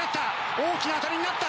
大きな当たりになった！